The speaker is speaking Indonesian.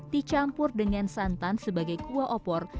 dicampur dengan santan sebagai kuah opor